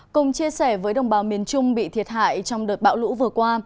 cùng chia sẻ với đồng bào miền trung bị thiệt hại trong đợt bão lũ vừa qua